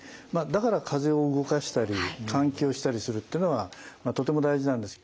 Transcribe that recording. だから風を動かしたり換気をしたりするってのがとても大事なんです。